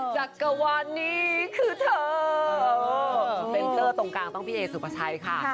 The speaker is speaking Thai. จะต้องต้องการต้องพี่เอสุประชัยค่ะ